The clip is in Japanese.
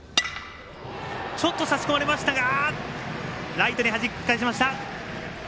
ライトにはじき返しました。